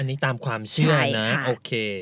อันนี้ตามความเชื่อนะโอเค